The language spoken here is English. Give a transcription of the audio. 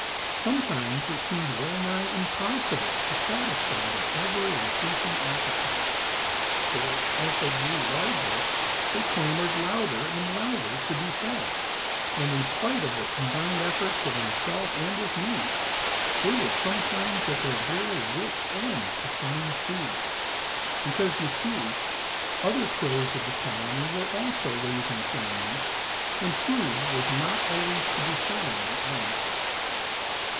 Sometimes it seemed well nigh impossible to satisfy their ever increasing appetites for, as they grew larger, they clamored louder and louder to be fed, and in spite of the combined efforts of himself and his mate they were sometimes at their very wit's end to find food, because, you see, other crows of the colony were also raising families, and food was not always to be found at once.